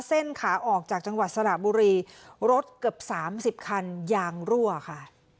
ขาออกจากจังหวัดสระบุรีรถเกือบสามสิบคันยางรั่วค่ะ